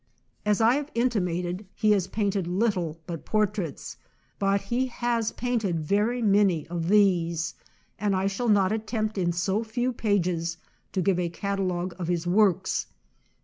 As I have intimated, he has painted lit tle but portraits; but he has painted very many of these, and I shall not attempt in so few pages to give a catalogue of his works.